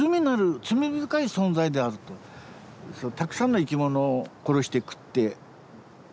たくさんの生き物を殺して食って。